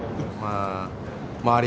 周り